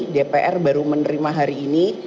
dpr baru menerima hari ini